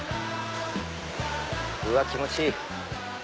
うわ気持ちいい！